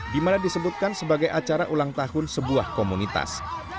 di mana disebutkan sebagai acara ulang tahun sebuah komunitas